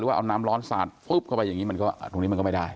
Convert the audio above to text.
หรือว่าเอาน้ำร้อนสาดเข้าไปอย่างนี้ตรงนี้มันก็ไม่ได้